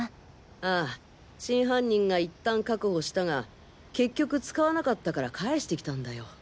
ああ真犯人が一旦確保したが結局使わなかったから返してきたんだよ。